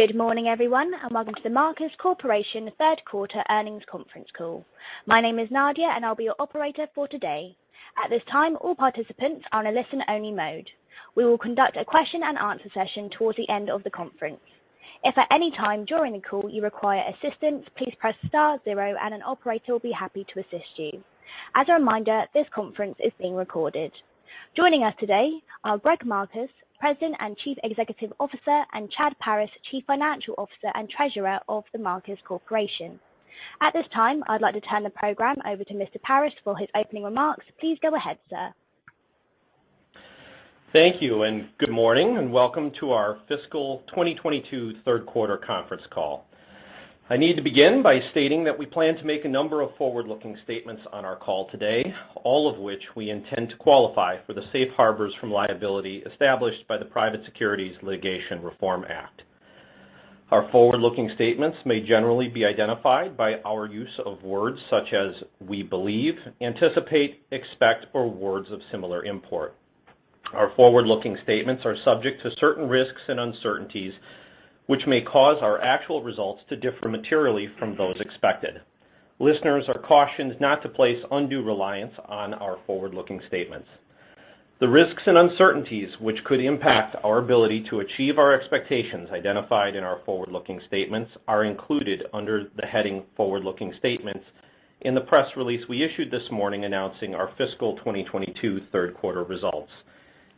Good morning everyone, and welcome to The Marcus Corporation Third Quarter Earnings Conference Call. My name is Nadia, and I'll be your operator for today. At this time, all participants are on a listen-only mode. We will conduct a Q&A session towards the end of the conference. If at any time during the call you require assistance, please press star zero, and an operator will be happy to assist you. As a reminder, this conference is being recorded. Joining us today are Greg Marcus, President and Chief Executive Officer, and Chad Paris, Chief Financial Officer and Treasurer of The Marcus Corporation. At this time, I'd like to turn the program over to Mr. Paris for his opening remarks. Please go ahead, sir. Thank you, and good morning, and welcome to our Fiscal 2022 Third Quarter Conference Call. I need to begin by stating that we plan to make a number of forward-looking statements on our call today, all of which we intend to qualify for the safe harbors from liability established by the Private Securities Litigation Reform Act. Our forward-looking statements may generally be identified by our use of words such as we believe, anticipate, expect, or words of similar import. Our forward-looking statements are subject to certain risks and uncertainties, which may cause our actual results to differ materially from those expected. Listeners are cautioned not to place undue reliance on our forward-looking statements. The risks and uncertainties which could impact our ability to achieve our expectations identified in our forward-looking statements are included under the heading Forward-Looking Statements in the press release we issued this morning announcing our Fiscal 2022 Third Quarter Results,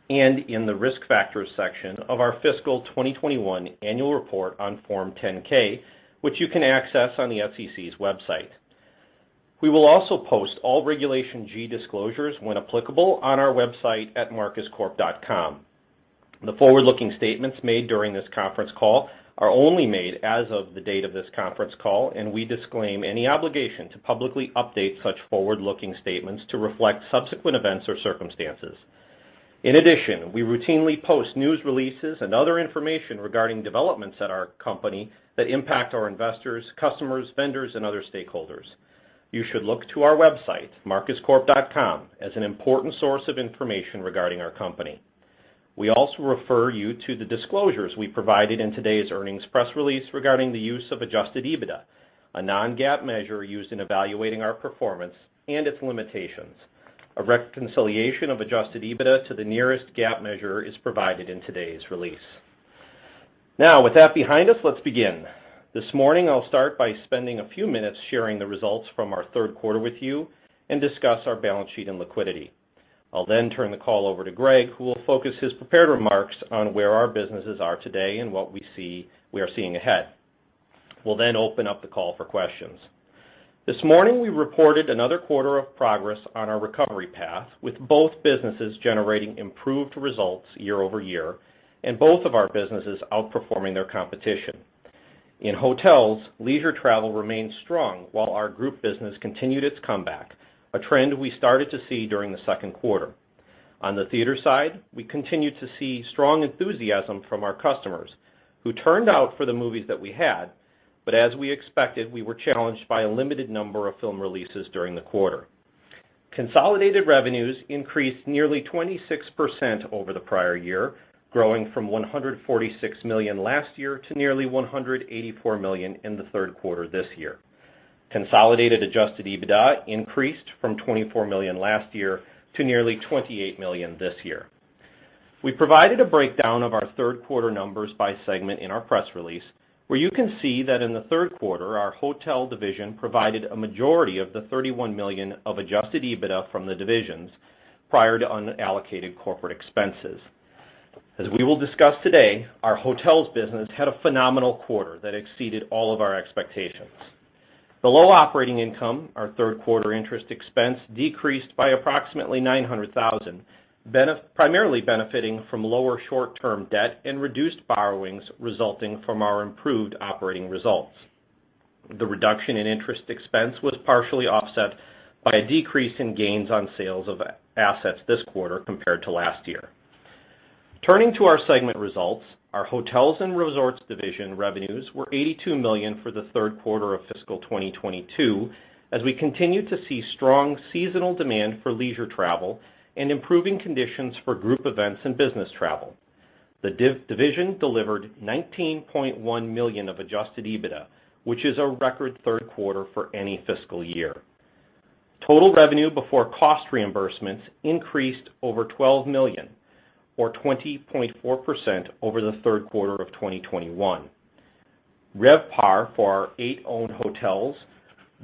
and in the Risk Factors section of our fiscal 2021 annual report on Form 10-K, which you can access on the SEC's website. We will also post all Regulation G disclosures, when applicable, on our website at marcuscorp.com. The forward-looking statements made during this conference call are only made as of the date of this conference call, and we disclaim any obligation to publicly update such forward-looking statements to reflect subsequent events or circumstances. In addition, we routinely post news releases and other information regarding developments at our company that impact our investors, customers, vendors, and other stakeholders. You should look to our website, marcuscorp.com, as an important source of information regarding our company. We also refer you to the disclosures we provided in today's earnings press release regarding the use of adjusted EBITDA, a non-GAAP measure used in evaluating our performance and its limitations. A reconciliation of adjusted EBITDA to the nearest GAAP measure is provided in today's release. Now, with that behind us, let's begin. This morning, I'll start by spending a few minutes sharing the results from our third quarter with you and discuss our balance sheet and liquidity. I'll then turn the call over to Greg, who will focus his prepared remarks on where our businesses are today and what we are seeing ahead. We'll then open up the call for questions. This morning, we reported another quarter of progress on our recovery path, with both businesses generating improved results year-over-year and both of our businesses outperforming their competition. In hotels, leisure travel remained strong while our group business continued its comeback, a trend we started to see during the second quarter. On the theater side, we continued to see strong enthusiasm from our customers who turned out for the movies that we had, but as we expected, we were challenged by a limited number of film releases during the quarter. Consolidated revenues increased nearly 26% over the prior year, growing from $146 million last year to nearly $184 million in the third quarter this year. Consolidated adjusted EBITDA increased from $24 million last year to nearly $28 million this year. We provided a breakdown of our third quarter numbers by segment in our press release, where you can see that in the third quarter, our hotel division provided a majority of the $31 million of adjusted EBITDA from the divisions prior to unallocated corporate expenses. As we will discuss today, our hotels business had a phenomenal quarter that exceeded all of our expectations. Below operating income, our third quarter interest expense decreased by approximately $900,000, primarily benefiting from lower short-term debt and reduced borrowings resulting from our improved operating results. The reduction in interest expense was partially offset by a decrease in gains on sales of assets this quarter compared to last year. Turning to our segment results, our hotels and resorts division revenues were $82 million for the third quarter of fiscal 2022, as we continued to see strong seasonal demand for leisure travel and improving conditions for group events and business travel. The division delivered $19.1 million of adjusted EBITDA, which is a record third quarter for any fiscal year. Total revenue before cost reimbursements increased over $12 million or 20.4% over the third quarter of 2021. RevPAR for our eight owned hotels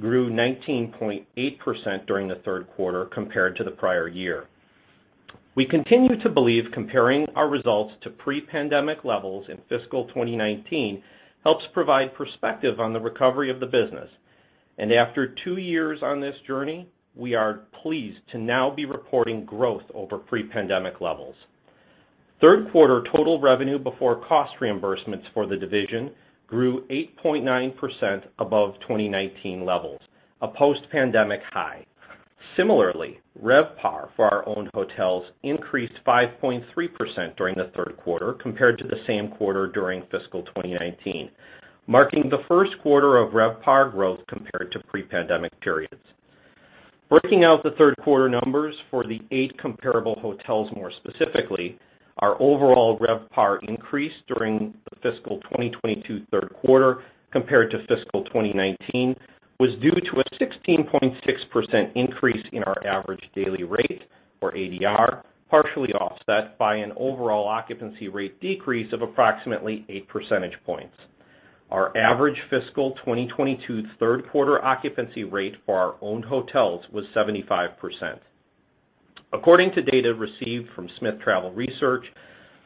grew 19.8% during the third quarter compared to the prior year. We continue to believe comparing our results to pre-pandemic levels in fiscal 2019 helps provide perspective on the recovery of the business. After two years on this journey, we are pleased to now be reporting growth over pre-pandemic levels. Third quarter total revenue before cost reimbursements for the division grew 8.9% above 2019 levels, a post-pandemic high. Similarly, RevPAR for our owned hotels increased 5.3% during the third quarter compared to the same quarter during fiscal 2019, marking the first quarter of RevPAR growth compared to pre-pandemic periods. Breaking out the third quarter numbers for the eight comparable hotels more specifically, our overall RevPAR increase during the fiscal 2022 third quarter compared to fiscal 2019 was due to a 16.6% increase in our average daily rate, or ADR, partially offset by an overall occupancy rate decrease of approximately 8 percentage points. Our average fiscal 2022 third quarter occupancy rate for our owned hotels was 75%. According to data received from Smith Travel Research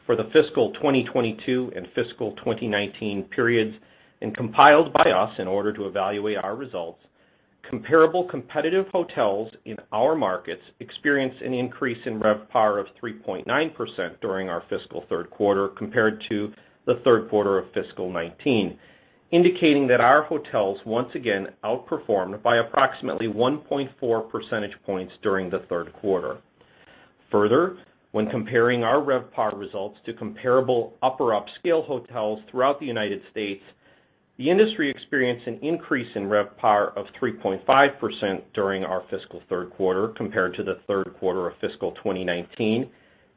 for the fiscal 2022 and fiscal 2019 periods and compiled by us in order to evaluate our results, comparable competitive hotels in our markets experienced an increase in RevPAR of 3.9% during our fiscal third quarter compared to the third quarter of fiscal 2019, indicating that our hotels once again outperformed by approximately 1.4 percentage points during the third quarter. Further, when comparing our RevPAR results to comparable upper upscale hotels throughout the United States, the industry experienced an increase in RevPAR of 3.5% during our fiscal third quarter compared to the third quarter of fiscal 2019,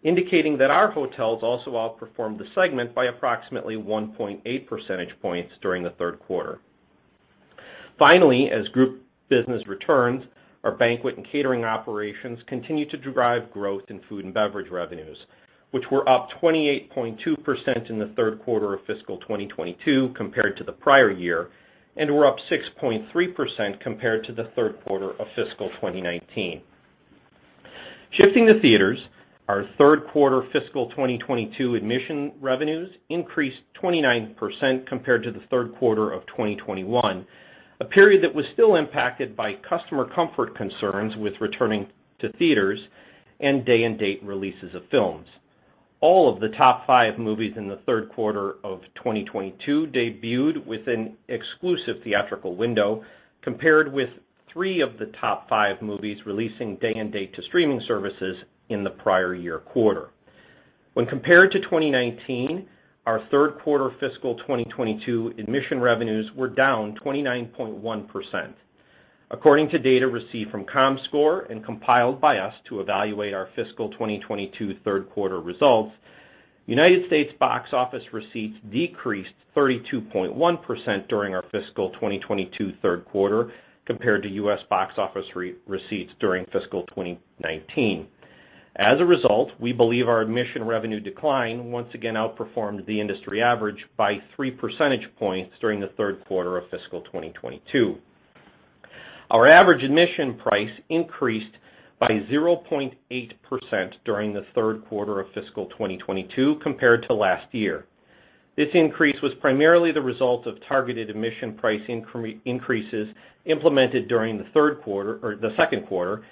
indicating that our hotels also outperformed the segment by approximately 1.8 percentage points during the third quarter. Finally, as group business returns, our banquet and catering operations continue to drive growth in food and beverage revenues, which were up 28.2% in the third quarter of fiscal 2022 compared to the prior year, and were up 6.3% compared to the third quarter of fiscal 2019. Shifting to theaters, our third quarter fiscal 2022 admission revenues increased 29% compared to the third quarter of 2021, a period that was still impacted by customer comfort concerns with returning to theaters and day-and-date releases of films. All of the top five movies in the third quarter of 2022 debuted with an exclusive theatrical window compared with three of the top five movies releasing day-and-date to streaming services in the prior year quarter. When compared to 2019, our third quarter fiscal 2022 admission revenues were down 29.1%. According to data received from Comscore and compiled by us to evaluate our fiscal 2022 third quarter results, United States box office receipts decreased 32.1% during our fiscal 2022 third quarter compared to U.S. box office receipts during fiscal 2019. As a result, we believe our admission revenue decline once again outperformed the industry average by three percentage points during the third quarter of fiscal 2022. Our average admission price increased by 0.8% during the third quarter of fiscal 2022 compared to last year. This increase was primarily the result of targeted admission price increases implemented during the third quarter or the second quarter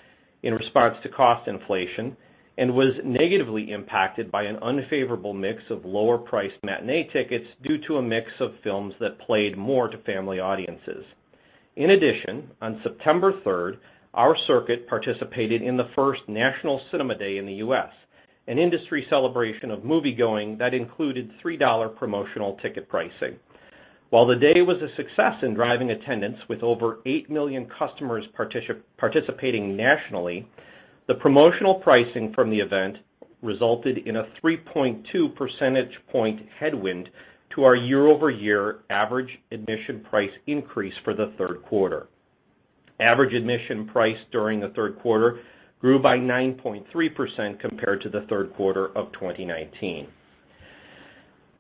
in response to cost inflation and was negatively impacted by an unfavorable mix of lower-priced matinee tickets due to a mix of films that played more to family audiences. In addition, on September 3rd, our circuit participated in the first National Cinema Day in the U.S., an industry celebration of moviegoing that included $3 promotional ticket pricing. While the day was a success in driving attendance with over 8 million customers participating nationally, the promotional pricing from the event resulted in a 3.2 percentage point headwind to our year-over-year average admission price increase for the third quarter. Average admission price during the third quarter grew by 9.3% compared to the third quarter of 2019.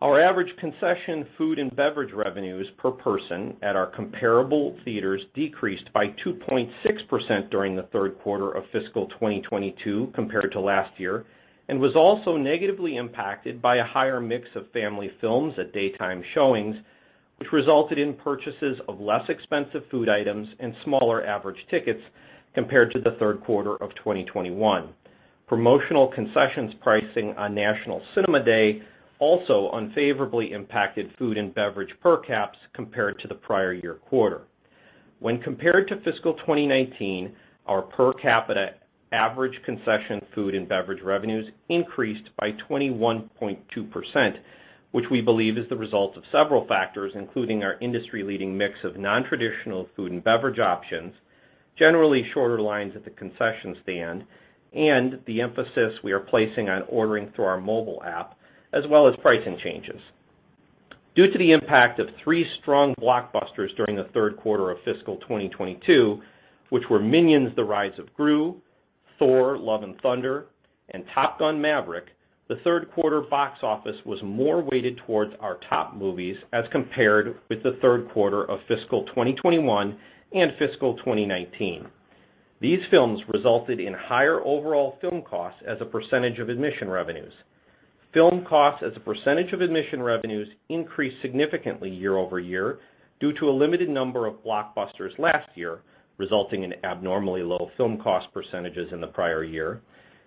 Our average concession food and beverage revenues per person at our comparable theaters decreased by 2.6% during the third quarter of fiscal 2022 compared to last year, and was also negatively impacted by a higher mix of family films at daytime showings, which resulted in purchases of less expensive food items and smaller average tickets compared to the third quarter of 2021. Promotional concessions pricing on National Cinema Day also unfavorably impacted food and beverage per caps compared to the prior year quarter. When compared to fiscal 2019, our per capita average concession food and beverage revenues increased by 21.2%, which we believe is the result of several factors, including our industry-leading mix of nontraditional food and beverage options, generally shorter lines at the concession stand, and the emphasis we are placing on ordering through our mobile app, as well as pricing changes. Due to the impact of three strong blockbusters during the third quarter of fiscal 2022, which were Minions: The Rise of Gru, Thor: Love and Thunder, and Top Gun: Maverick, the third quarter box office was more weighted towards our top movies as compared with the third quarter of fiscal 2021 and fiscal 2019. These films resulted in higher overall film costs as a percentage of admission revenues. Film costs as a percentage of admission revenues increased significantly year-over-year due to a limited number of blockbusters last year, resulting in abnormally low film cost percentages in the prior year,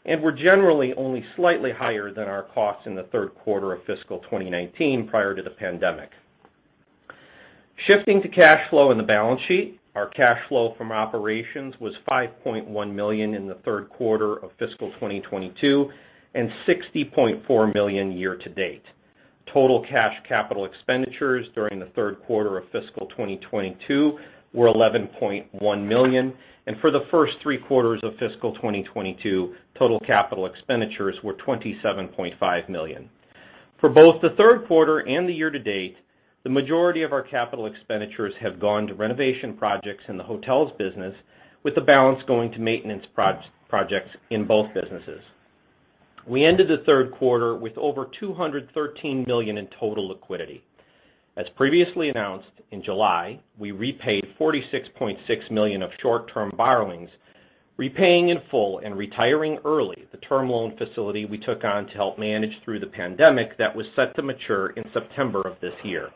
and were generally only slightly higher than our costs in the third quarter of fiscal 2019 prior to the pandemic. Shifting to cash flow and the balance sheet, our cash flow from operations was $5.1 million in the third quarter of fiscal 2022, and $60.4 million year-to-date. Total cash capital expenditures during the third quarter of fiscal 2022 were $11.1 million, and for the first three quarters of fiscal 2022, total capital expenditures were $27.5 million. For both the third quarter and the year-to-date, the majority of our capital expenditures have gone to renovation projects in the hotels business, with the balance going to maintenance projects in both businesses. We ended the third quarter with over $213 million in total liquidity. As previously announced, in July, we repaid $46.6 million of short-term borrowings, repaying in full and retiring early the term loan facility we took on to help manage through the pandemic that was set to mature in September of this year.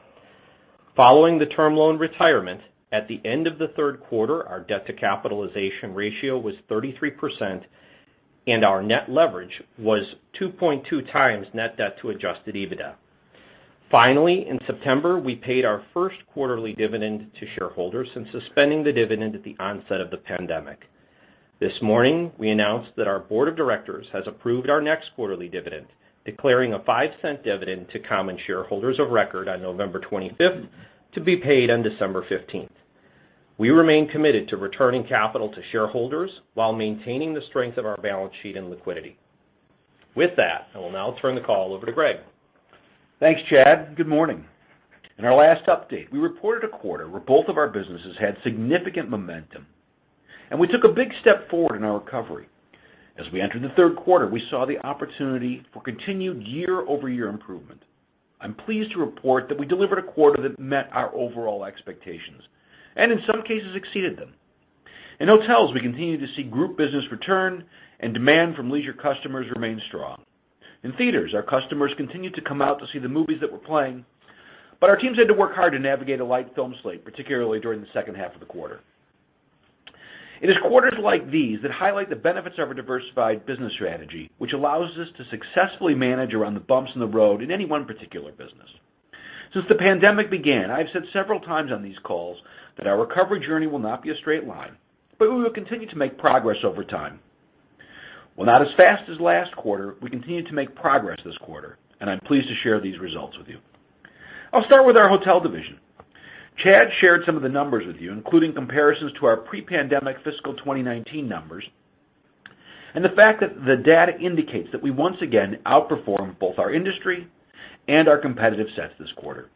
Following the term loan retirement, at the end of the third quarter, our debt to capitalization ratio was 33% and our net leverage was 2.2x net debt to adjusted EBITDA. Finally, in September, we paid our first quarterly dividend to shareholders since suspending the dividend at the onset of the pandemic. This morning, we announced that our board of directors has approved our next quarterly dividend, declaring a $0.05 dividend to common shareholders of record on November 25th to be paid on December 15th. We remain committed to returning capital to shareholders while maintaining the strength of our balance sheet and liquidity. With that, I will now turn the call over to Greg. Thanks, Chad, good morning. In our last update, we reported a quarter where both of our businesses had significant momentum, and we took a big step forward in our recovery. As we entered the third quarter, we saw the opportunity for continued year-over-year improvement. I'm pleased to report that we delivered a quarter that met our overall expectations, and in some cases exceeded them. In hotels, we continued to see group business return and demand from leisure customers remain strong. In theaters, our customers continued to come out to see the movies that were playing, but our teams had to work hard to navigate a light film slate, particularly during the second half of the quarter. It is quarters like these that highlight the benefits of a diversified business strategy, which allows us to successfully manage around the bumps in the road in any one particular business. Since the pandemic began, I have said several times on these calls that our recovery journey will not be a straight line, but we will continue to make progress over time. While not as fast as last quarter, we continued to make progress this quarter, and I'm pleased to share these results with you. I'll start with our hotel division. Chad shared some of the numbers with you, including comparisons to our pre-pandemic fiscal 2019 numbers, and the fact that the data indicates that we once again outperformed both our industry and our competitive sets this quarter.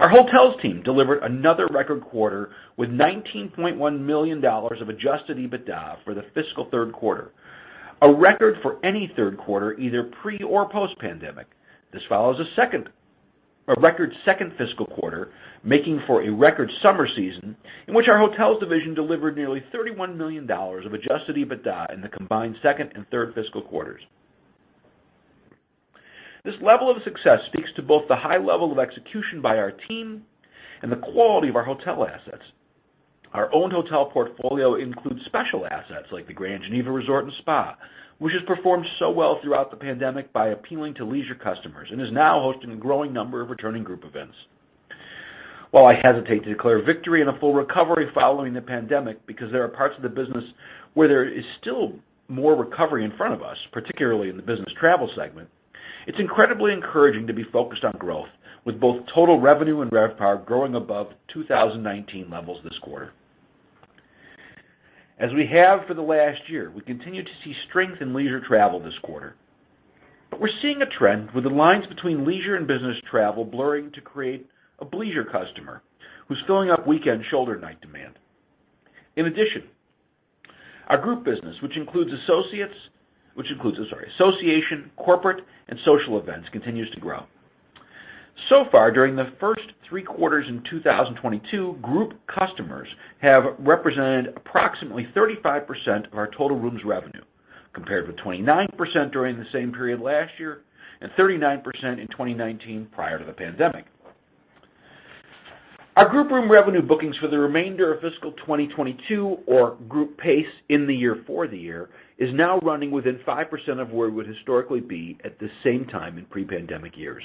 Our hotels team delivered another record quarter with $19.1 million of adjusted EBITDA for the fiscal third quarter, a record for any third quarter, either pre or post pandemic. This follows a record second fiscal quarter, making for a record summer season in which our hotels division delivered nearly $31 million of adjusted EBITDA in the combined second and third fiscal quarters. This level of success speaks to both the high level of execution by our team and the quality of our hotel assets. Our owned hotel portfolio includes special assets like the Grand Geneva Resort & Spa, which has performed so well throughout the pandemic by appealing to leisure customers and is now hosting a growing number of returning group events. While I hesitate to declare victory in a full recovery following the pandemic, because there are parts of the business where there is still more recovery in front of us, particularly in the business travel segment, it's incredibly encouraging to be focused on growth with both total revenue and RevPAR growing above 2019 levels this quarter. As we have for the last year, we continue to see strength in leisure travel this quarter. We're seeing a trend with the lines between leisure and business travel blurring to create a bleisure customer who's filling up weekend shoulder night demand. In addition, our group business, which includes association, corporate, and social events, continues to grow. So far during the first three quarters in 2022, group customers have represented approximately 35% of our total rooms revenue, compared with 29% during the same period last year and 39% in 2019 prior to the pandemic. Our group room revenue bookings for the remainder of fiscal 2022 or group pace in the year for the year is now running within 5% of where it would historically be at the same time in pre-pandemic years.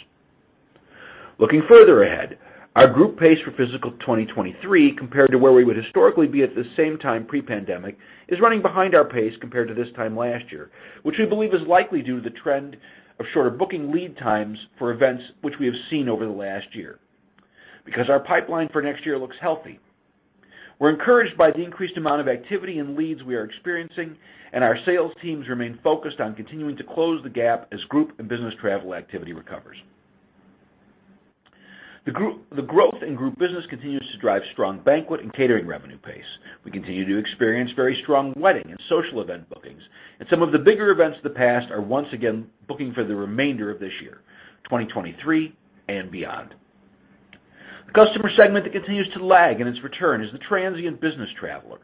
Looking further ahead, our group pace for fiscal 2023 compared to where we would historically be at the same time pre-pandemic is running behind our pace compared to this time last year, which we believe is likely due to the trend of shorter booking lead times for events which we have seen over the last year, because our pipeline for next year looks healthy. We're encouraged by the increased amount of activity and leads we are experiencing, and our sales teams remain focused on continuing to close the gap as group and business travel activity recovers. The growth in group business continues to drive strong banquet and catering revenue pace. We continue to experience very strong wedding and social event bookings, and some of the bigger events of the past are once again booking for the remainder of this year, 2023 and beyond. The customer segment that continues to lag in its return is the transient business traveler.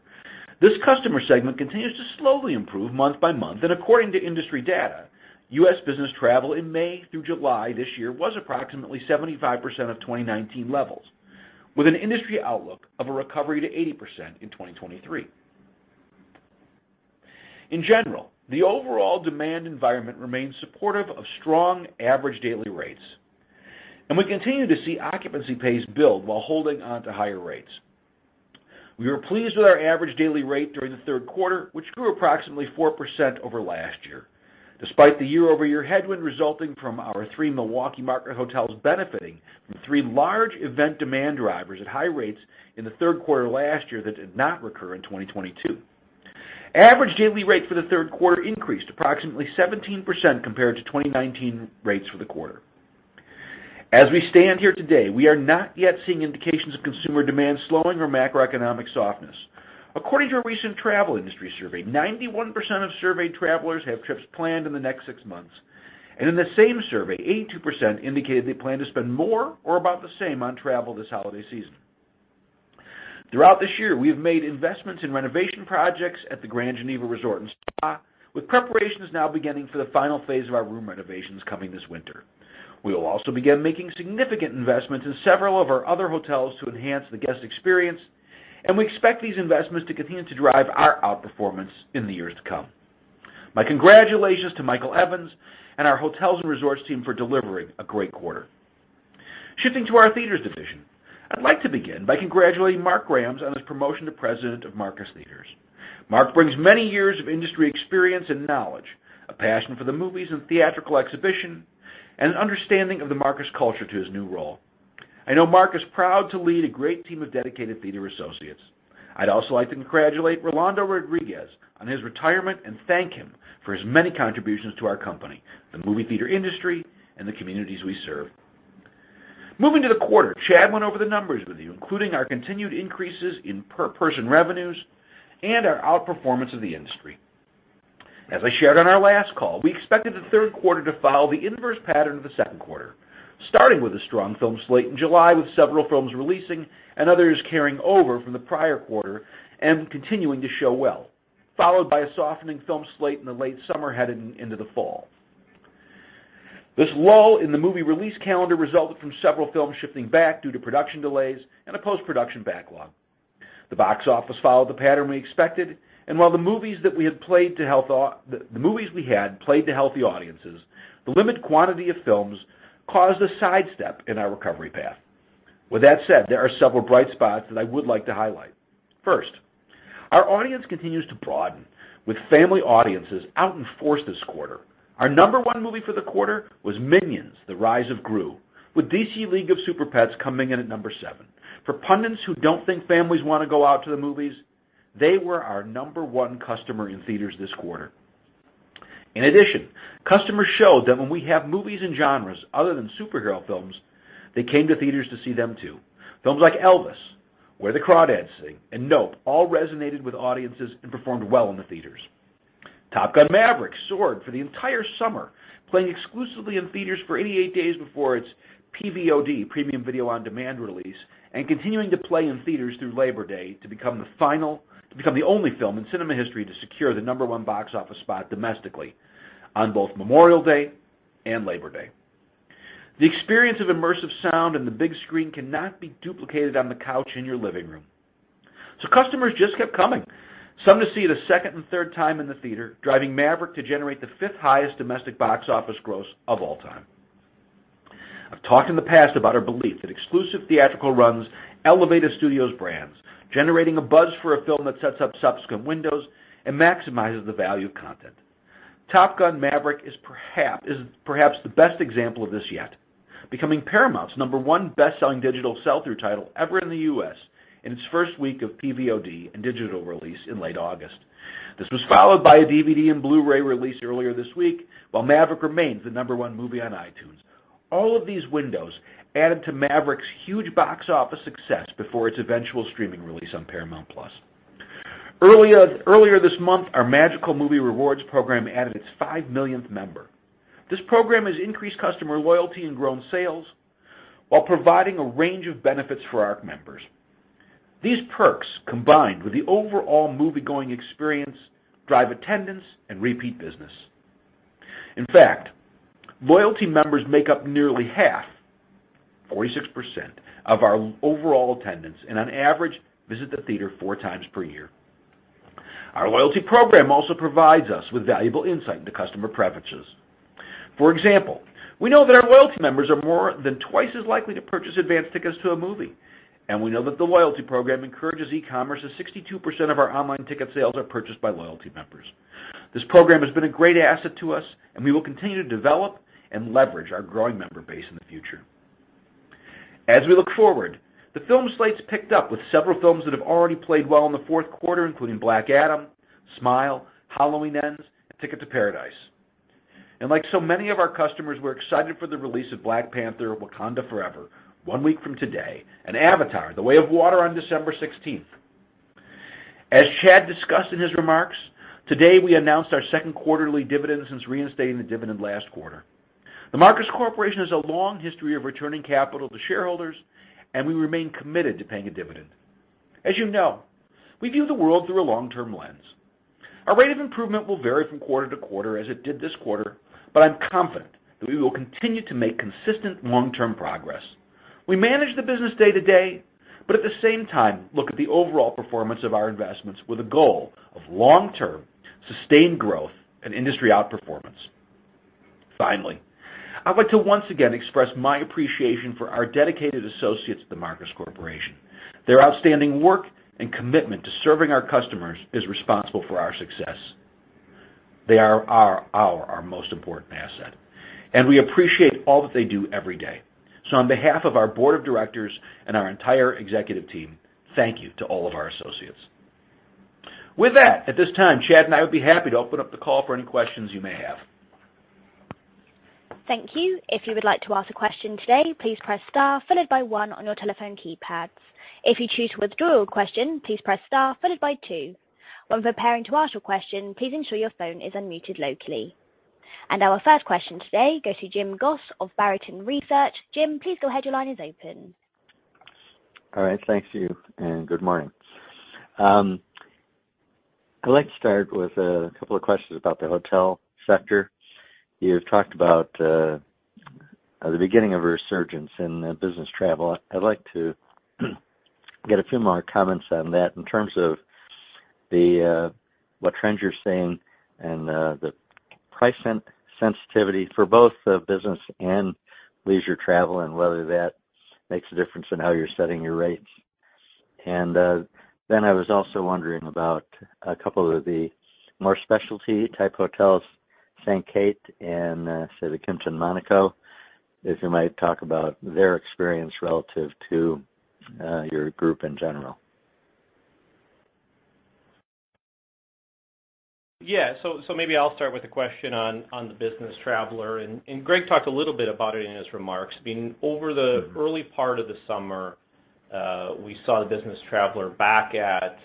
This customer segment continues to slowly improve month by month, and according to industry data, U.S. business travel in May through July this year was approximately 75% of 2019 levels, with an industry outlook of a recovery to 80% in 2023. In general, the overall demand environment remains supportive of strong average daily rates, and we continue to see occupancy pace build while holding onto higher rates. We were pleased with our average daily rate during the third quarter, which grew approximately 4% over last year, despite the year-over-year headwind resulting from our three Milwaukee Market hotels benefiting from three large event demand drivers at high rates in the third quarter last year that did not recur in 2022. Average daily rate for the third quarter increased approximately 17% compared to 2019 rates for the quarter. As we stand here today, we are not yet seeing indications of consumer demand slowing or macroeconomic softness. According to a recent travel industry survey, 91% of surveyed travelers have trips planned in the next six months, and in the same survey, 82% indicated they plan to spend more or about the same on travel this holiday season. Throughout this year, we have made investments in renovation projects at the Grand Geneva Resort & Spa, with preparations now beginning for the final phase of our room renovations coming this winter. We will also begin making significant investments in several of our other hotels to enhance the guest experience, and we expect these investments to continue to drive our outperformance in the years to come. My congratulations to Michael Evans and our hotels and resorts team for delivering a great quarter. Shifting to our theaters division, I'd like to begin by congratulating Mark Gramz on his promotion to President of Marcus Theatres. Mark brings many years of industry experience and knowledge, a passion for the movies and theatrical exhibition, and an understanding of the Marcus culture to his new role. I know Mark is proud to lead a great team of dedicated theater associates. I'd also like to congratulate Rolando Rodriguez on his retirement, and thank him for his many contributions to our company, the movie theater industry, and the communities we serve. Moving to the quarter, Chad went over the numbers with you, including our continued increases in per person revenues and our outperformance of the industry. As I shared on our last call, we expected the third quarter to follow the inverse pattern of the second quarter, starting with a strong film slate in July, with several films releasing and others carrying over from the prior quarter and continuing to show well, followed by a softening film slate in the late summer heading into the fall. This lull in the movie release calendar resulted from several films shifting back due to production delays and a post-production backlog. The box office followed the pattern we expected, and while the movies that we had played to healthy audiences, the limited quantity of films caused a sidestep in our recovery path. With that said, there are several bright spots that I would like to highlight. First, our audience continues to broaden, with family audiences out in force this quarter. Our number one movie for the quarter was Minions: The Rise of Gru, with DC League of Super-Pets coming in at number seven. For pundits who don't think families wanna go out to the movies, they were our number one customer in theaters this quarter. In addition, customers showed that when we have movies and genres other than superhero films, they came to theaters to see them too. Films like Elvis, Where the Crawdads Sing, and Nope all resonated with audiences and performed well in the theaters. Top Gun: Maverick soared for the entire summer, playing exclusively in theaters for 88 days before its PVOD, premium video on demand release, and continuing to play in theaters through Labor Day to become the only film in cinema history to secure the number one box office spot domestically on both Memorial Day and Labor Day. The experience of immersive sound and the big screen cannot be duplicated on the couch in your living room. Customers just kept coming. Some to see it a second and third time in the theater, driving Maverick to generate the fifth-highest domestic box office gross of all time. I've talked in the past about our belief that exclusive theatrical runs elevate a studio's brands, generating a buzz for a film that sets up subsequent windows and maximizes the value of content. Top Gun: Maverick is perhaps the best example of this yet, becoming Paramount's number one best-selling digital sell-through title ever in the U.S. in its first week of PVOD and digital release in late August. This was followed by a DVD and Blu-ray release earlier this week, while Maverick remains the number one movie on iTunes. All of these windows added to Maverick's huge box office success before its eventual streaming release on Paramount+. Earlier this month, our Magical Movie Rewards program added its 5 millionth member. This program has increased customer loyalty and grown sales while providing a range of benefits for our members. These perks, combined with the overall moviegoing experience, drive attendance and repeat business. In fact, loyalty members make up nearly half, 46%, of our overall attendance, and on average, visit the theater four times per year. Our loyalty program also provides us with valuable insight into customer preferences. For example, we know that our loyalty members are more than twice as likely to purchase advanced tickets to a movie, and we know that the loyalty program encourages e-commerce, as 62% of our online ticket sales are purchased by loyalty members. This program has been a great asset to us, and we will continue to develop and leverage our growing member base in the future. As we look forward, the film slate's picked up with several films that have already played well in the fourth quarter, including Black Adam, Smile, Halloween Ends, and Ticket to Paradise. Like so many of our customers, we're excited for the release of Black Panther: Wakanda Forever one week from today and Avatar: The Way of Water on December 16th. As Chad discussed in his remarks, today we announced our second quarterly dividend since reinstating the dividend last quarter. The Marcus Corporation has a long history of returning capital to shareholders, and we remain committed to paying a dividend. As you know, we view the world through a long-term lens. Our rate of improvement will vary from quarter-to-quarter, as it did this quarter, but I'm confident that we will continue to make consistent long-term progress. We manage the business day-to-day, but at the same time look at the overall performance of our investments with a goal of long-term, sustained growth and industry outperformance. Finally, I'd like to once again express my appreciation for our dedicated associates at The Marcus Corporation. Their outstanding work and commitment to serving our customers is responsible for our success. They are our most important asset, and we appreciate all that they do every day. On behalf of our board of directors and our entire executive team, thank you to all of our associates. With that, at this time, Chad and I would be happy to open up the call for any questions you may have. Thank you. If you would like to ask a question today, please press star followed by one on your telephone keypads. If you choose to withdraw your question, please press star followed by two. When preparing to ask your question, please ensure your phone is unmuted locally. Our first question today goes to Jim Goss of Barrington Research. Jim, please go ahead. Your line is open. Thank you, and good morning. I'd like to start with a couple of questions about the hotel sector. You talked about the beginning of a resurgence in business travel. I'd like to get a few more comments on that in terms of the- what trends you're seeing and the price sensitivity for both the business and leisure travel and whether that makes a difference in how you're setting your rates. Then I was also wondering about a couple of the more specialty-type hotels, Saint Kate and say, the Kimpton Hotel Monaco, if you might talk about their experience relative to your group in general. Yeah. Maybe I'll start with the question on the business traveler, and Greg talked a little bit about it in his remarks. I mean, over the early part of the summer, we saw the business traveler back at,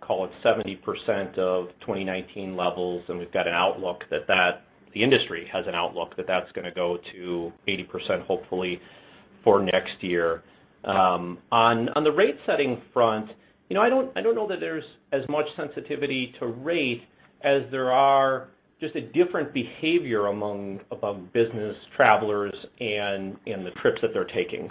call it 70% of 2019 levels, and we've got an outlook that the industry has an outlook that that's gonna go to 80%, hopefully for next year. On the rate-setting front, you know, I don't know that there's as much sensitivity to rate as there are just a different behavior among business travelers and the trips that they're taking.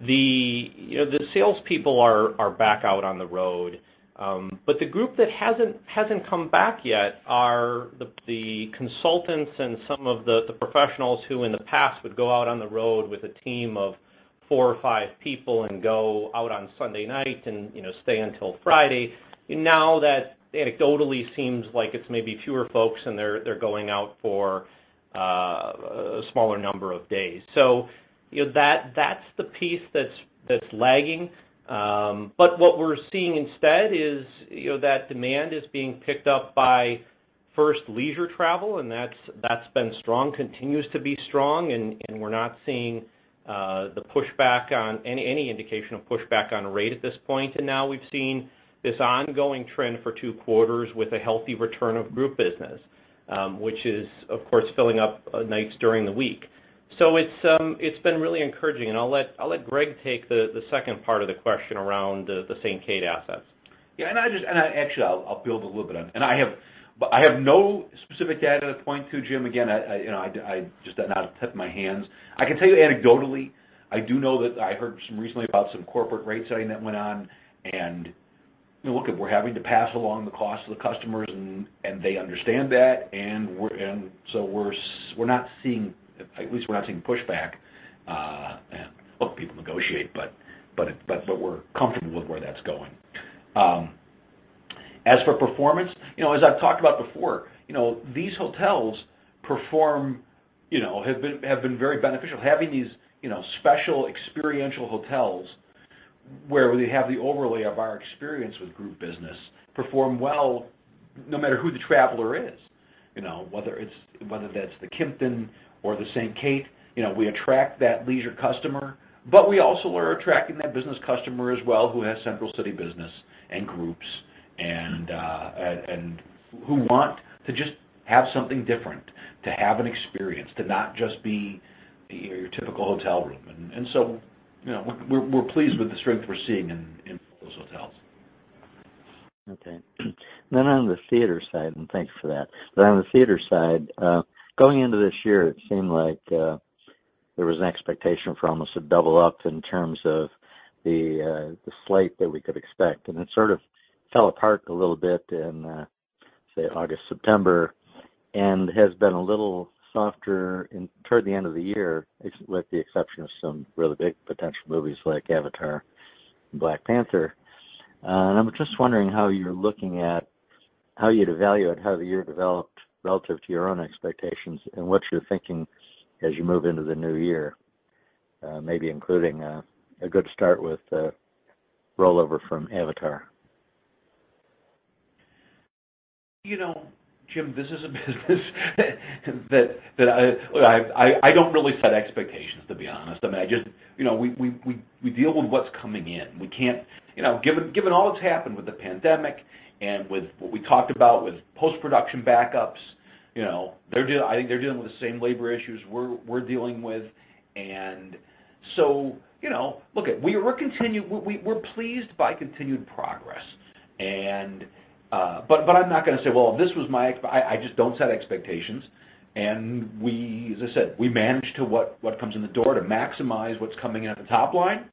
You know, the salespeople are back out on the road. The group that hasn't come back yet are the consultants and some of the professionals who in the past would go out on the road with a team of four or five people and go out on Sunday night and, you know, stay until Friday. Now that anecdotally seems like it's maybe fewer folks, and they're going out for a smaller number of days. You know, that's the piece that's lagging. What we're seeing instead is, you know, that demand is being picked up by first leisure travel, and that's been strong, continues to be strong. We're not seeing the pushback on any indication of pushback on rate at this point. Now we've seen this ongoing trend for two quarters with a healthy return of group business, which is, of course, filling up nights during the week. It's been really encouraging. I'll let Greg take the second part of the question around the Saint Kate assets. Yeah. Actually, I'll build a little bit on. I have no specific data to point to, Jim. Again, you know, I just do not have it at tip of my hands. I can tell you anecdotally, I do know that I heard some recently about some corporate rate setting that went on. You know, look, we're having to pass along the cost to the customers and they understand that, and we're not seeing, at least we're not seeing pushback. Look, people negotiate, but we're comfortable with where that's going. As for performance, you know, as I've talked about before, you know, these hotels perform, you know, have been very beneficial. Having these, you know, special experiential hotels where they have the overlay of our experience with group business perform well no matter who the traveler is, you know. Whether that's the Kimpton or the Saint Kate, you know, we attract that leisure customer, but we also are attracting that business customer as well, who has central city business and groups and who want to just have something different, to have an experience, to not just be your typical hotel room. You know, we're pleased with the strength we're seeing in those hotels. Okay. On the theater side- thanks for that- but on the theater side, going into this year, it seemed like there was an expectation for almost a double up in terms of the slate that we could expect, and it sort of fell apart a little bit in, say, August, September, and has been a little softer into the end of the year, with the exception of some really big potential movies like Avatar and Black Panther. I'm just wondering how you're looking at how you'd evaluate how the year developed relative to your own expectations and what you're thinking as you move into the new year, maybe including a good start with rollover from Avatar. You know, Jim, this is a business that I- look, I don't really set expectations, to be honest. I mean, I just- you know, we deal with what's coming in. We can't- you know, given all that's happened with the pandemic and with what we talked about with post-production backups, you know, I think they're dealing with the same labor issues we're dealing with. You know, look, we're pleased by continued progress. I'm not gonna say, "Well, this was my ex-" I just don't set expectations. We, as I said, we manage to what comes in the door to maximize what's coming in at the top line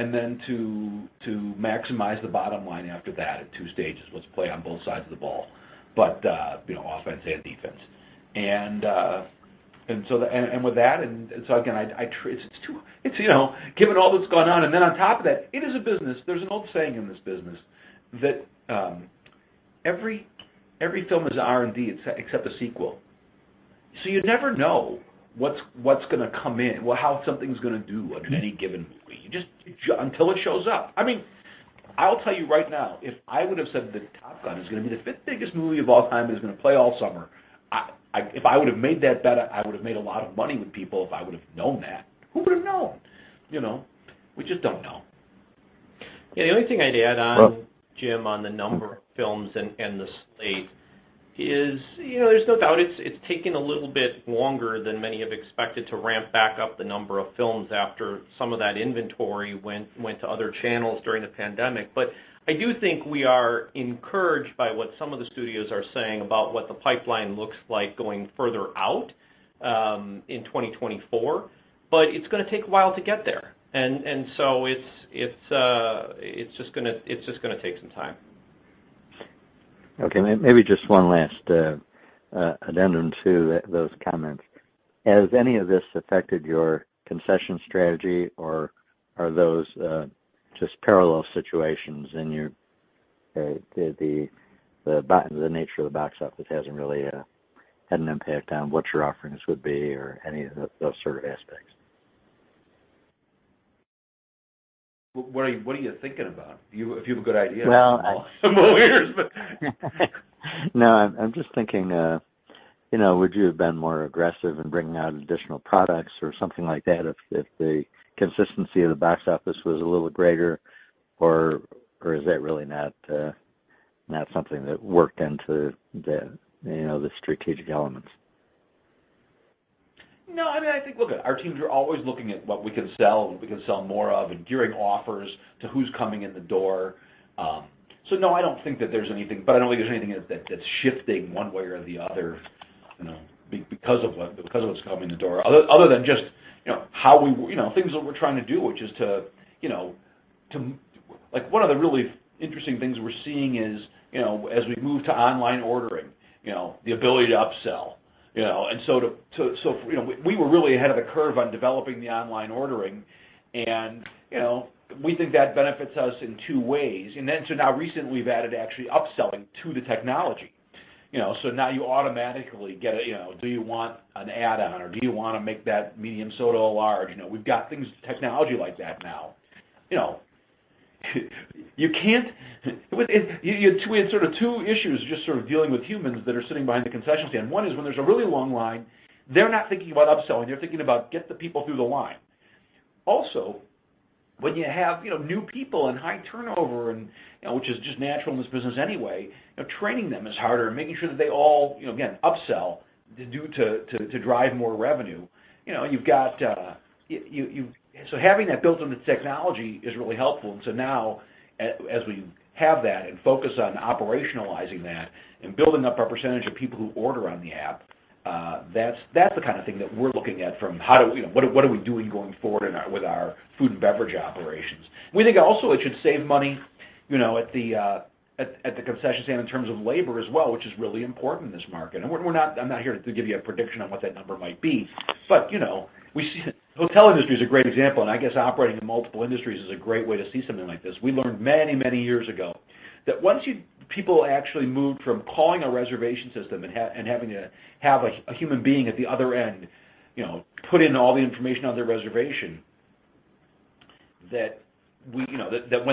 and then to maximize the bottom line after that at two stages. Let's play on both sides of the ball, but you know, offense and defense. With that, it's true, you know- given all that's gone on, and then on top of that, it is a business. There's an old saying in this business that every film is an R&D except a sequel. So you never know what's gonna come in. Well, how something's gonna do on any given movie. You just until it shows up. I mean, I'll tell you right now, if I would have said that Top Gun is gonna be the fifth biggest movie of all time, it is gonna play all summer. If I would have made that bet, I would have made a lot of money with people if I would have known that. Who would have known, You know? We just don't know. Yeah. The only thing I'd add on Jim, on the number of films and the slate is, you know, there's no doubt it's taken a little bit longer than many have expected to ramp back up the number of films after some of that inventory went to other channels during the pandemic. I do think we are encouraged by what some of the studios are saying about what the pipeline looks like going further out in 2024. It's gonna take a while to get there. So it's just gonna take some time. Okay. Maybe just one last addendum to those comments. Has any of this affected your concession strategy, or are those just parallel situations? The nature of the box office hasn't really had an impact on what your offerings would be or any of those sort of aspects? What are you thinking about? If you have a good idea... No, I- ...I'm all ears. No, I'm just thinking, you know, would you have been more aggressive in bringing out additional products or something like that if the consistency of the box office was a little greater? Or is that really not something that worked into the, you know, the strategic elements? No, I mean, I think- look, our teams are always looking at what we can sell, we can sell more of, and gearing offers to who's coming in the door. No, I don't think that there's anything- I don't think there's anything that's shifting one way or the other, you know, because of what's coming in the door other than just, you know- you know, things that we're trying to do. Like, one of the really interesting things we're seeing is, you know, as we move to online ordering, you know, the ability to upsell, you know. We were really ahead of the curve on developing the online ordering and, you know, we think that benefits us in two ways. Now recently we've added actually upselling to the technology. You know, now you automatically get a, you know, do you want an add-on or do you wanna make that medium soda a large? You know, we've got things, technology like that now. You know, with it, we had sort of two issues just sort of dealing with humans that are sitting behind the concession stand. One is when there's a really long line, they're not thinking about upselling, they're thinking about get the people through the line. Also, when you have, you know, new people and high turnover and, you know, which is just natural in this business anyway, you know, training them is harder and making sure that they all, you know, again, upsell to drive more revenue. You know, you've got, you- having that built into the technology is really helpful. Now as we have that and focus on operationalizing that and building up our percentage of people who order on the app, that's the kind of thing that we're looking at from how do we. You know, what are we doing going forward in our food and beverage operations. We think also it should save money, you know, at the concession stand in terms of labor as well, which is really important in this market. We're not here to give you a prediction on what that number might be, but, you know, we see the hotel industry is a great example, and I guess operating in multiple industries is a great way to see something like this. We learned many, many years ago that once people actually moved from calling a reservation system and having to have a human being at the other end, you know, put in all the information on their reservation, that when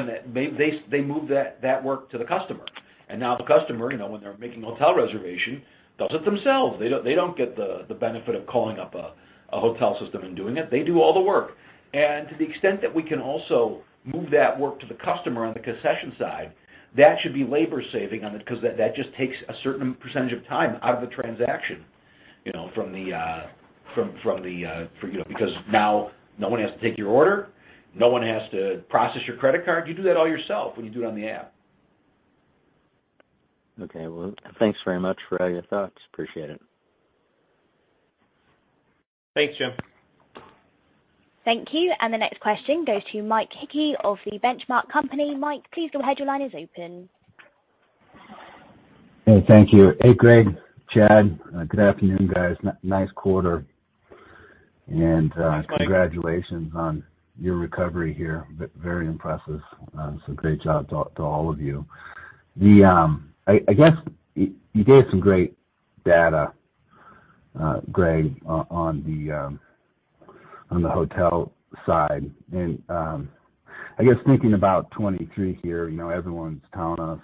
that they move that work to the customer. Now the customer, you know, when they're making a hotel reservation, does it themselves. They don't get the benefit of calling up a hotel system and doing it. They do all the work. To the extent that we can also move that work to the customer on the concession side, that should be labor saving on it, 'cause that just takes a certain percentage of time out of the transaction, you know, from the- for, you know, because now no one has to take your order, no one has to process your credit card. You do that all yourself when you do it on the app. Okay. Well, thanks very much for all your thoughts. Appreciate it. Thanks, Jim. Thank you. The next question goes to Mike Hickey of The Benchmark Company. Mike, please go ahead. Your line is open. Hey. Thank you. Hey, Greg, Chad. Good afternoon, guys. Nice quarter. Thanks, Mike. Congratulations on your recovery here. Very impressive. Great job to all of you. I guess you gave some great data, Greg, on the hotel side. I guess thinking about 2023 here, you know, everyone's telling us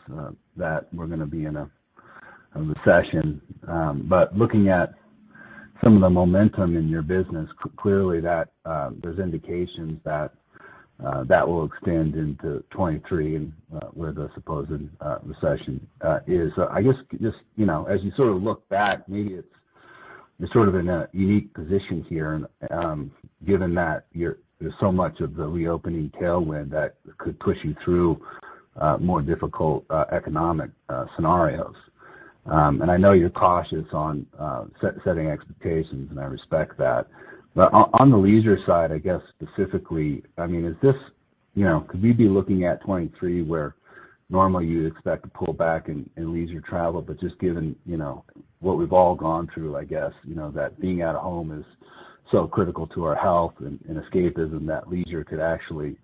that we're gonna be in a recession. Looking at some of the momentum in your business, clearly that there's indications that that will extend into 2023 and where the supposed recession is. I guess just, you know, as you sort of look back, maybe it's, you're sort of in a unique position here, and given that there's so much of the reopening tailwind that could push you through more difficult economic scenarios. I know you're cautious on setting expectations, and I respect that. On the leisure side, I guess specifically, I mean, is this. You know, could we be looking at 2023 where normally you'd expect to pull back in leisure travel, but just given what we've all gone through, I guess you know that being out of home is so critical to our health and escapism that leisure could actually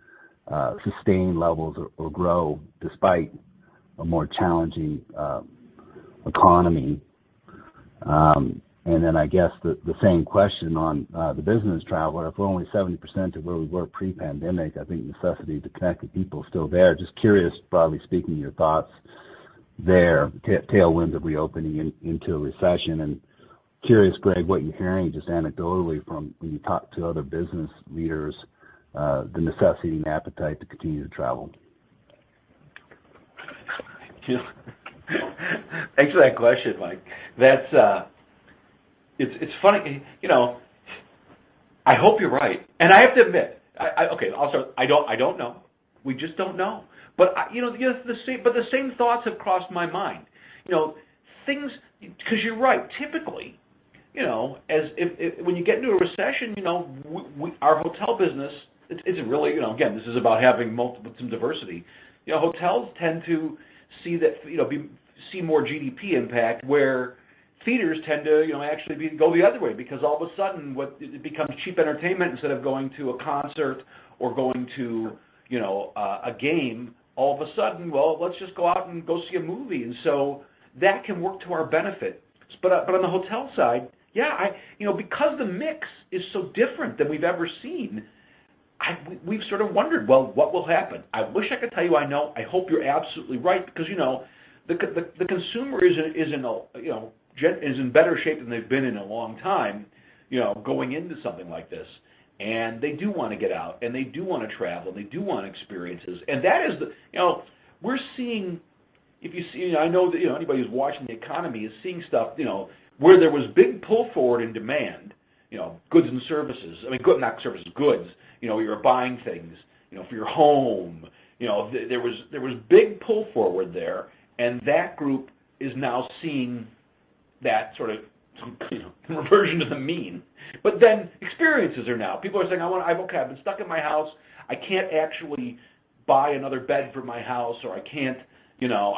sustain levels or grow despite a more challenging economy. Then I guess the same question on the business travel, if we're only 70% of where we were pre-pandemic, I think necessity to connect with people is still there. Just curious, broadly speaking, your thoughts there, tailwinds of reopening into a recession. Curious, Greg, what you're hearing just anecdotally from when you talk to other business leaders, the necessity and appetite to continue to travel? Thank you. Thanks for that question, Mike. That's- it's funny. You know, I hope you're right, and I have to admit. Okay, I'll start- I don't know, we just don't know. The same thoughts have crossed my mind. You know, because you're right. Typically, you know, when you get into a recession, you know, our hotel business isn't really.- you know, again, this is about having some diversity- you know, hotels tend to see that, you know, see more GDP impact, where theaters tend to, you know, actually go the other way because all of a sudden what- it becomes cheap entertainment instead of going to a concert or going to, you know, a game. All of a sudden, well, let's just go out and go see a movie. That can work to our benefit. On the hotel side, yeah, You know, because the mix is so different than we've ever seen, we've sort of wondered, well, what will happen. I wish I could tell you I know. I hope you're absolutely right because, you know, the consumer is in a, you know, better shape than they've been in a long time, you know, going into something like this. They do wanna get out, and they do wanna travel, and they do want experiences. That is the- you know, we're seeing- if you see, I know that, you know, anybody who's watching the economy is seeing stuff, you know, where there was big pull forward in demand, you know, goods and services. I mean, not services, goods. You know, you're buying things, you know, for your home. You know, there was big pull forward there, and that group is now seeing that sort of some, you know, reversion to the mean. Experiences are now. People are saying, "Okay, I've been stuck in my house. I can't actually buy another bed for my house, or I can't, you know,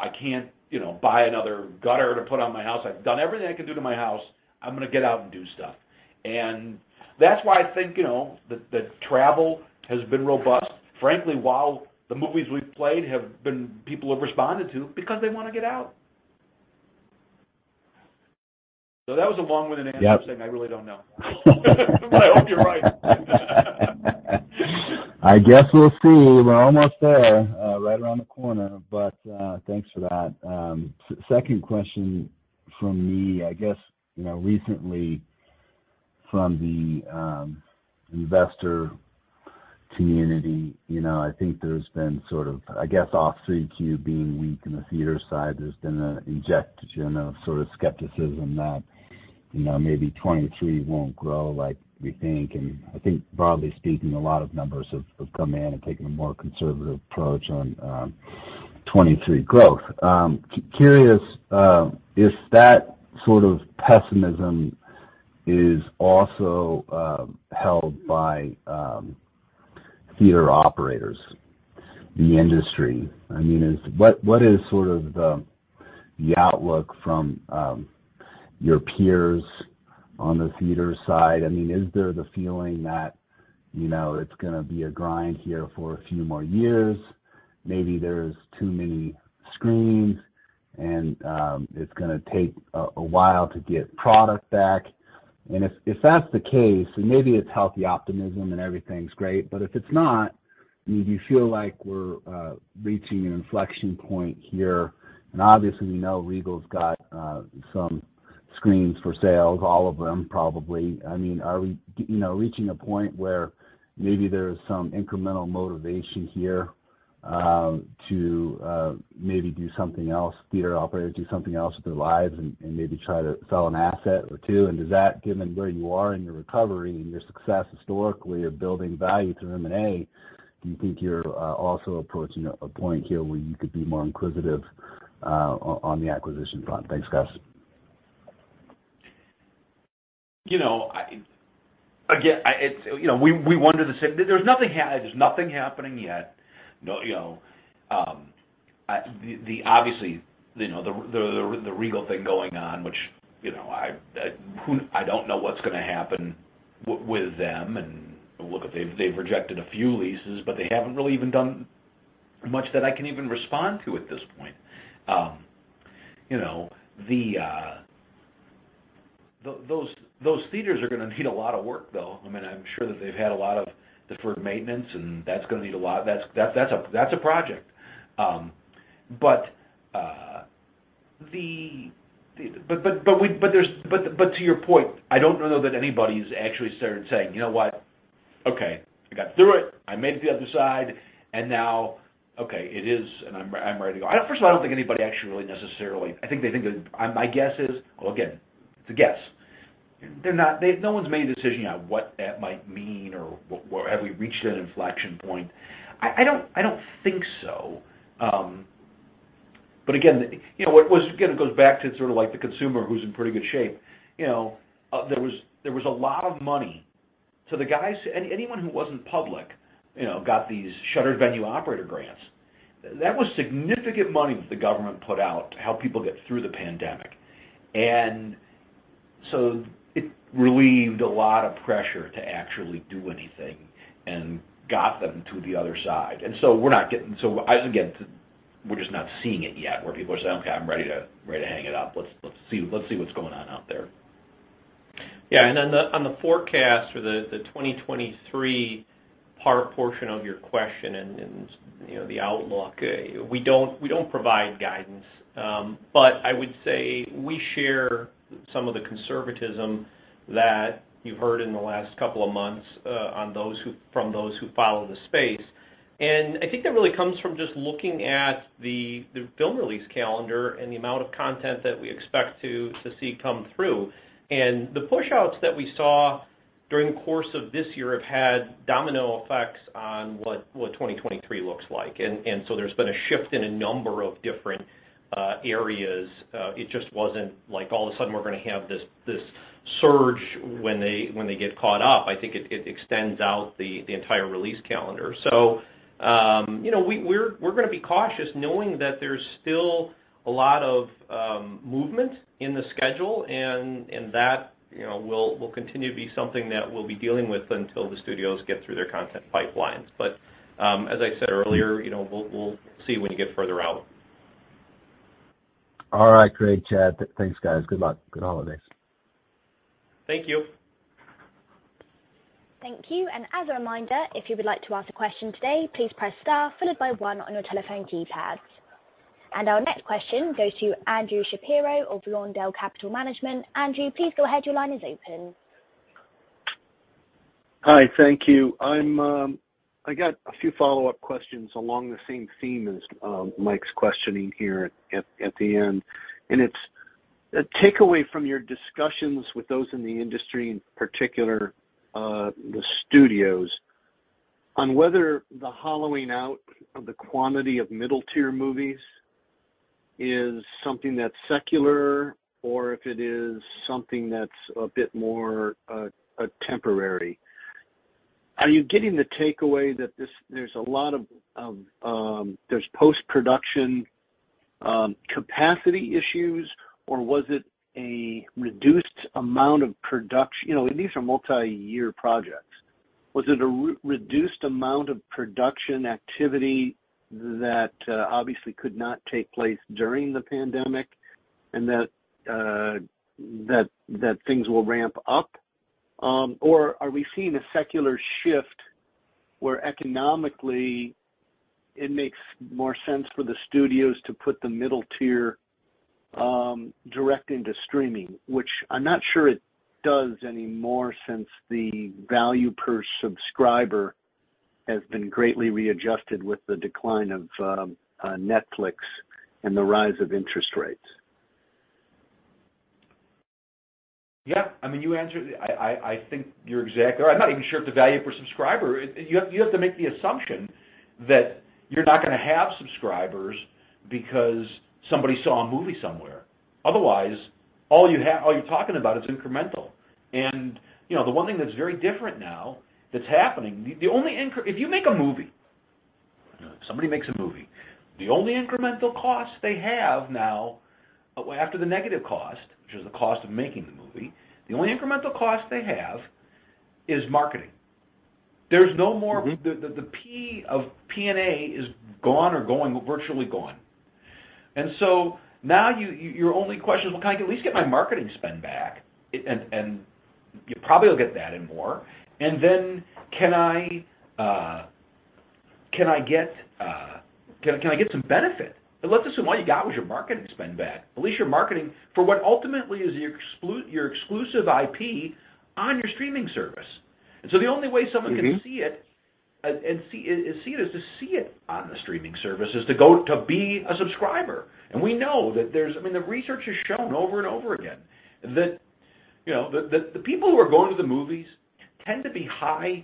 buy another gutter to put on my house. I've done everything I can do to my house. I'm gonna get out and do stuff." That's why I think, you know, that travel has been robust, frankly, while the movies we've played have been, people have responded to because they wanna get out. That was a long-winded answer of saying I really don't know. I hope you're right. I guess we'll see. We're almost there, right around the corner. Thanks for that. Second question from me. I guess, you know, recently from the investor community, you know, I think there's been sort of, I guess, third quarter being weak in the theater side, there's been an injection, you know, sort of skepticism that, you know, maybe 2023 won't grow like we think. I think broadly speaking, a lot of numbers have come in and taken a more conservative approach on 2023 growth. Curious, if that sort of pessimism is also held by theater operators, the industry. I mean, what is sort of the outlook from your peers on the theater side? I mean, is there the feeling that, you know, it's gonna be a grind here for a few more years? Maybe there's too many screens and it's gonna take a while to get product back. If that's the case, maybe it's healthy optimism and everything's great, but if it's not, do you feel like we're reaching an inflection point here? Obviously, we know Regal's got some screens for sale, all of them probably. I mean, are we, you know, reaching a point where maybe there's some incremental motivation here to maybe do something else, theater operators do something else with their lives and maybe try to sell an asset or two? Does that, given where you are in your recovery and your success historically of building value through M&A, do you think you're also approaching a point here where you could be more inquisitive on the acquisition front? Thanks, guys. You know, again, it's, you know, we wonder the same. There's nothing happening yet. No, you know, the obvious, you know, the Regal thing going on, which, you know, I don't know what's gonna happen with them and look, if they've rejected a few leases, but they haven't really even done much that I can even respond to at this point. You know, those theaters are gonna need a lot of work, though. I mean, I'm sure that they've had a lot of deferred maintenance, and that's gonna need a lot- that's a project. To your point, I don't know that anybody's actually started saying, "You know what? Okay, I got through it. I made it to the other side, and now, okay, it is, and I'm ready to go." First of all, I don't think anybody actually necessarily. I think they think that. My guess is, well, again, it's a guess. No one's made a decision on what that might mean or have we reached that inflection point. I don't think so. Again, you know, it was again, it goes back to sort of like the consumer who's in pretty good shape. You know, there was a lot of money. So anyone who wasn't public, you know, got these Shuttered Venue Operators Grants. That was significant money that the government put out to help people get through the pandemic. It relieved a lot of pressure to actually do anything and got them to the other side. I think, again, we're just not seeing it yet where people are saying, "Okay, I'm ready to hang it up. Let's see what's going on out there." Yeah. Then on the forecast for the 2023 portion of your question and, you know, the outlook, we don't provide guidance. I would say we share some of the conservatism that you've heard in the last couple of months, from those who follow the space. I think that really comes from just looking at the film release calendar and the amount of content that we expect to see come through. The pushouts that we saw during the course of this year have had domino effects on what 2023 looks like. There's been a shift in a number of different areas. It just wasn't like all of a sudden we're gonna have this surge when they get caught up. I think it extends out the entire release calendar. You know, we're gonna be cautious knowing that there's still a lot of movement in the schedule and that, you know, will continue to be something that we'll be dealing with until the studios get through their content pipelines. As I said earlier, you know, we'll see when you get further out. All right. Great, Chad. Thanks, guys. Good luck. Good holidays. Thank you. Thank you. As a reminder, if you would like to ask a question today, please press star followed by one on your telephone keypads. Our next question goes to Andrew Shapiro of Lawndale Capital Management. Andrew, please go ahead. Your line is open. Hi. Thank you. I got a few follow-up questions along the same theme as Mike's questioning here at the end. It's a takeaway from your discussions with those in the industry, in particular, the studios, on whether the hollowing out of the quantity of middle tier movies is something that's secular or if it is something that's a bit more temporary. Are you getting the takeaway that there's a lot of post-production capacity issues, or was it a reduced amount of production? You know, and these are multiyear projects. Was it a reduced amount of production activity that obviously could not take place during the pandemic and that things will ramp up? Are we seeing a secular shift where economically it makes more sense for the studios to put the middle tier direct into streaming? Which I'm not sure it does anymore since the value per subscriber has been greatly readjusted with the decline of Netflix and the rise of interest rates. Yeah. I mean, you answered it. I think- or I'm not even sure if the value per subscriber. You have to make the assumption that you're not gonna have subscribers because somebody saw a movie somewhere. Otherwise, all you're talking about is incremental. You know, the one thing that's very different now that's happening. If you make a movie, somebody makes a movie, the only incremental cost they have now, after the negative cost, which is the cost of making the movie, the only incremental cost they have is marketing. There's no more- the P of P&A is gone or going, virtually gone. Now your only question is, well, can I at least get my marketing spend back? You probably will get that and more. Then can I get some benefit? Let's assume all you got was your marketing spend back. At least your marketing for what ultimately is your exclusive IP on your streaming service. The only way someone can see it- to see it on the streaming service is got to be a subscriber. We know that there's- I mean, the research has shown over and over again that, you know, that the people who are going to the movies tend to be high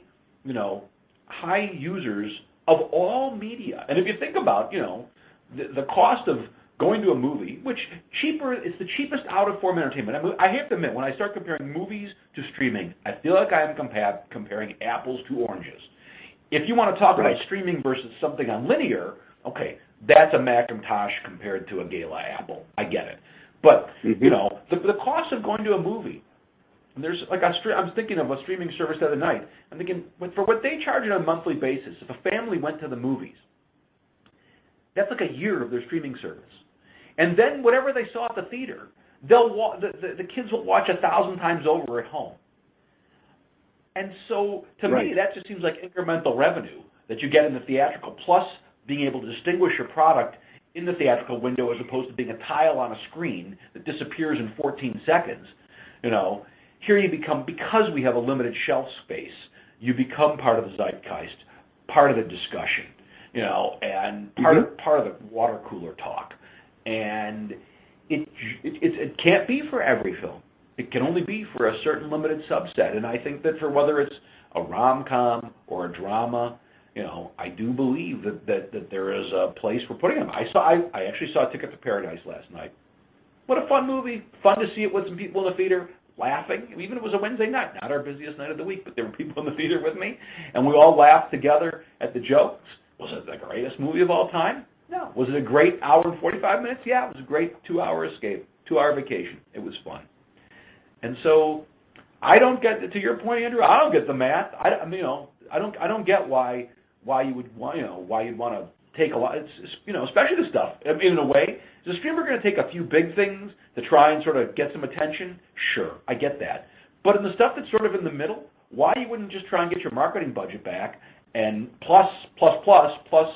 users of all media. If you think about, you know, the cost of going to a movie, it's the cheapest form of entertainment. I mean, I hate to admit, when I start comparing movies to streaming, I feel like I am comparing apples to oranges. If you wanna talk about streaming versus something on linear, okay, that's a McIntosh compared to a Gala apple. I get it. But- you know, the cost of going to a movie, and there's like, I was thinking of a streaming service the other night. I'm thinking, with for what they charge on a monthly basis, if a family went to the movies, that's like a year of their streaming service. Whatever they saw at the theater, the kids will watch 1,000 times over at home. To me- that just seems like incremental revenue that you get in the theatrical. Plus, being able to distinguish your product in the theatrical window as opposed to being a tile on a screen that disappears in 14 seconds, you know? Here you become- because we have a limited shelf space, you become part of the zeitgeist, part of the discussion, you know, and part of the water cooler talk. It can't be for every film. It can only be for a certain limited subset. I think that for whether it's a rom-com or a drama, you know, I do believe that there is a place for putting them. I actually saw Ticket to Paradise last night. What a fun movie. Fun to see it with some people in the theater laughing. Even though it was a Wednesday night, not our busiest night of the week, but there were people in the theater with me, and we all laughed together at the jokes. Was it the greatest movie of all time? No. Was it a great 1 hour and 45 minutes? Yeah. It was a great two-hour escape, two-hour vacation. It was fun. I don't get- to your point, Andrew, I don't get the math. You know, I don't get why you would want, you know, why you'd wanna take a lot, you know, especially the stuff, I mean, in a way.- is the streamer gonna take a few big things to try and sort of get some attention? Sure. I get that. But in the stuff that's sort of in the middle, why you wouldn't just try and get your marketing budget back and plus, plus,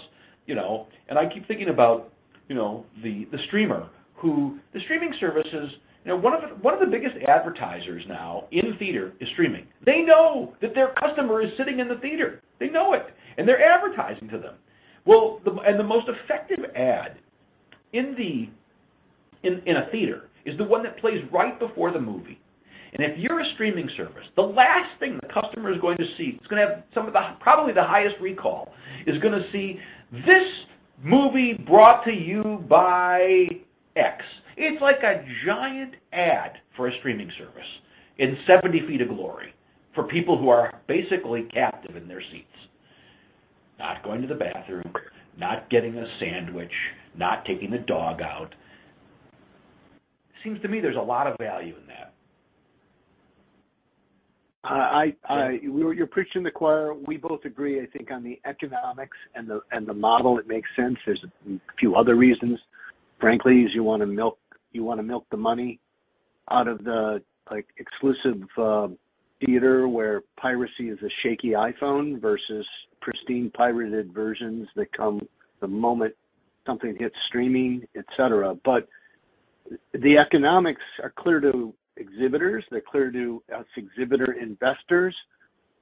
you know. I keep thinking about, you know, the streaming services. You know, one of the biggest advertisers now in theater is streaming. They know that their customer is sitting in the theater. They know it, and they're advertising to them. Well, the most effective ad in a theater is the one that plays right before the movie. If you're a streaming service, the last thing the customer is going to see, it's gonna have some of the, probably the highest recall, is gonna see this movie brought to you by X. It's like a giant ad for a streaming service in 70 ft of glory for people who are basically captive in their seats. Not going to the bathroom, not getting a sandwich, not taking the dog out. Seems to me there's a lot of value in that. Uh, I- you're preaching to the choir. We both agree, I think, on the economics and the model, it makes sense. There's a few other reasons, frankly. You wanna milk the money out of the, like, exclusive theater where piracy is a shaky iPhone versus pristine pirated versions that come the moment something hits streaming, et cetera. The economics are clear to exhibitors, they're clear to us exhibitor investors.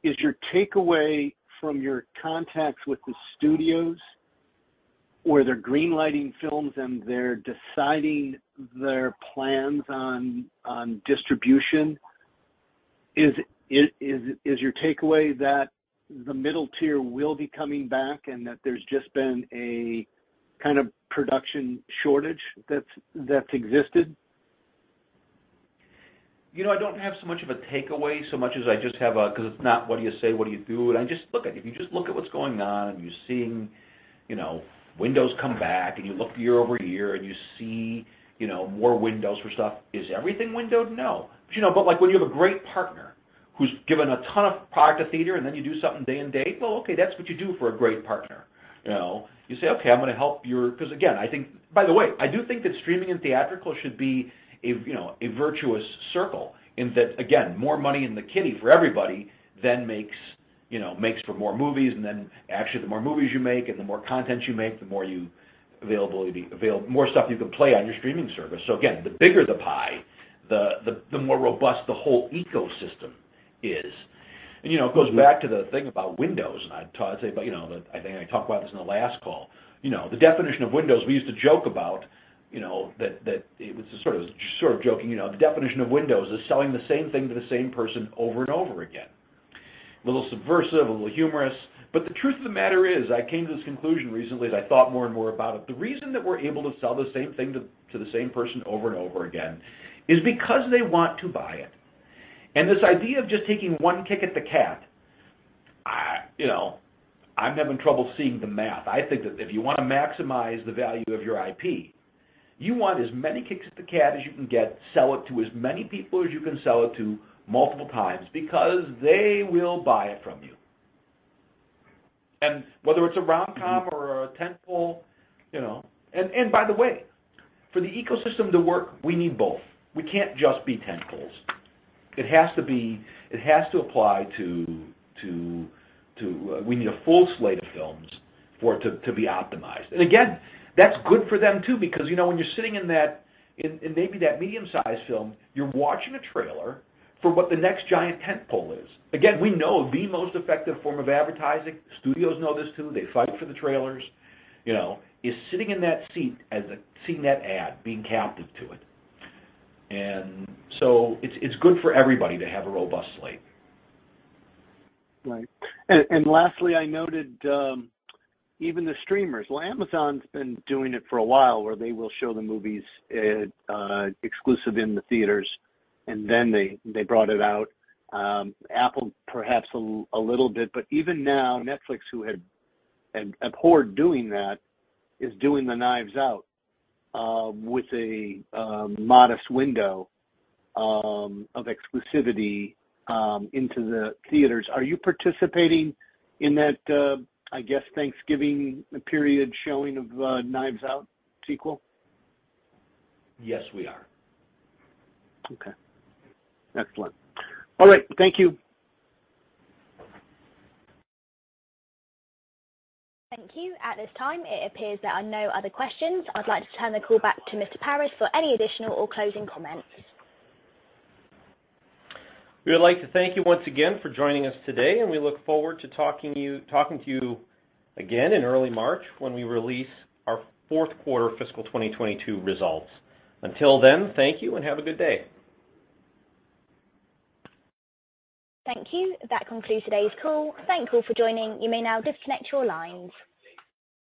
Is your takeaway from your contacts with the studios, where they're green-lighting films, and they're deciding their plans on distribution? Is your takeaway that the middle tier will be coming back and that there's just been a kind of production shortage that's existed? You know, I don't have so much of a takeaway so much as I just have a 'cause it's not what you say, what you do. Look, if you just look at what's going on, and you're seeing, you know, windows come back, and you look year-over-year, and you see, you know, more windows for stuff. Is everything windowed? No. You know, like, when you have a great partner who's given a ton of product to theater, and then you do something day and date, well, okay, that's what you do for a great partner. You know? You say, "Okay, I'm gonna help your." Because again, I think- by the way, I do think that streaming and theatrical should be a you know a virtuous circle in that again more money in the kitty for everybody then makes you know makes for more movies- actually, the more movies you make and the more content you make, the more stuff you can play on your streaming service. The bigger the pie, the more robust the whole ecosystem is. You know, it goes back to the thing about windows. I'd say, you know, I think I talked about this in the last call. You know, the definition of windows, we used to joke about, you know, that it was sort of joking- you know, the definition of windows is selling the same thing to the same person over and over again. A little subversive, a little humorous. The truth of the matter is, I came to this conclusion recently as I thought more and more about it. The reason that we're able to sell the same thing to the same person over and over again is because they want to buy it. This idea of just taking one kick at the cat, you know, I'm having trouble seeing the math. I think that if you wanna maximize the value of your IP, you want as many kicks at the cat as you can get, sell it to as many people as you can sell it to multiple times because they will buy it from you. Whether it's a rom-com or a tent-pole, you know. By the way, for the ecosystem to work, we need both. We can't just be tent-poles. It has to apply to- we need a full slate of films for it to be optimized. Again, that's good for them too, because, you know, when you're sitting in that, in maybe that medium-sized film, you're watching a trailer for what the next giant tent-pole is. Again, we know the most effective form of advertising, studios know this too, they fight for the trailers, you know, is sitting in that seat seeing that ad, being captive to it. It's good for everybody to have a robust slate. Right. Lastly, I noted even the streamers- well, Amazon's been doing it for a while, where they will show the movies exclusively in the theaters, and then they brought it out. Apple perhaps a little bit. Even now, Netflix, who had abhorred doing that, is doing the Knives Out with a modest window of exclusivity into the theaters. Are you participating in that, I guess, Thanksgiving period showing of Knives Out sequel? Yes, we are. Okay. Excellent. All right. Thank you. Thank you. At this time, it appears there are no other questions. I'd like to turn the call back to Mr. Paris for any additional or closing comments. We would like to thank you once again for joining us today, and we look forward to talking to you again in early March when we release our Fourth Quarter Fiscal 2022 Results. Until then, thank you and have a good day. Thank you. That concludes today's call. Thank you for joining. You may now disconnect your lines.